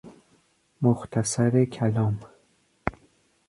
مختصر کلام